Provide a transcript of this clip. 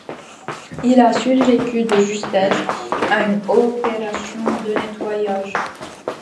Il a survécu de justesse à une opération de nettoyage.